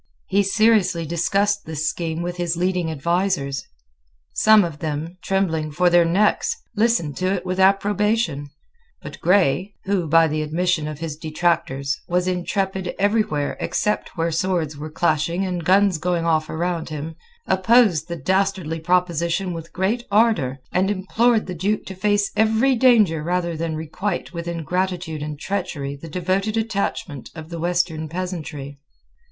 He seriously discussed this scheme with his leading advisers. Some of them, trembling for their necks, listened to it with approbation; but Grey, who, by the admission of his detractors, was intrepid everywhere except where swords were clashing and guns going off around him, opposed the dastardly proposition with great ardour, and implored the Duke to face every danger rather than requite with ingratitude and treachery the devoted attachment of the Western peasantry.